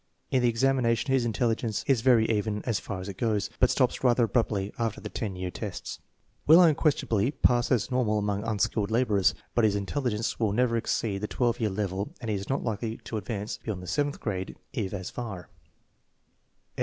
In the exam ination his intelligence is very even as far as it goes, but stops rather abruptly after the 10 year tests. Will unquestionably pass as normal among unskilled laborers, but his intelligence will never INTELLIGENCE QUOTIENT SIGNIFICANCE 93 exceed the 12 year level and he is not likely to advance beyond the seventh grade, if as far.